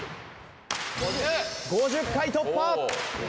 ５０回突破！